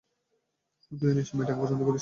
তুইও নিশ্চয়ই মেয়েটাকে পছন্দ করিস।